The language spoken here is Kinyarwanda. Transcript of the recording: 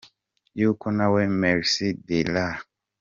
Yuko Nawe – Mercy D Lai.